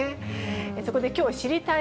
そこできょう、知りたいッ！